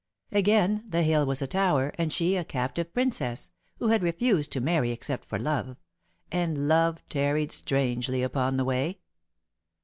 Again, the hill was a tower, and she a captive princess, who had refused to marry except for love, and Love tarried strangely upon the way.